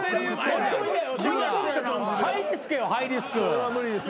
それは無理です。